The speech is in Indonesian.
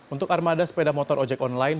untuk armada sepeda motor ojek online